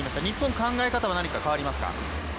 日本、考え方は何か変わりますか？